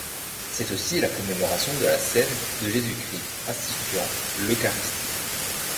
C'est aussi la commémoration de la Cène de Jésus-Christ instituant l'Eucharistie.